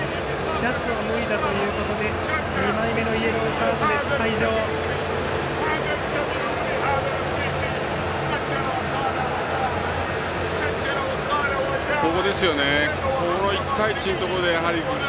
シャツを脱いだということで２枚目のイエローカードで退場です。